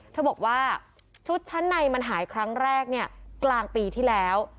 เธอบอกว่าชุดชั้นในมันหายครั้งแรกเนี่ยกลางปีที่แล้ว